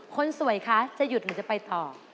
คนสวยคะจะหยุดหรือจะไปต่อ